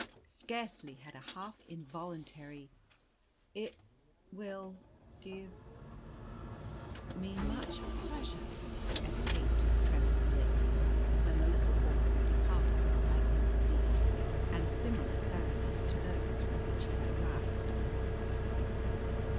Scarcely had a half involuntary, "It will give me much pleasure," escaped his trembling lips, when the little horseman departed with lightning speed, and similar ceremonies to those with which he had arrived.